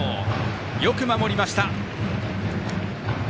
よく守りました。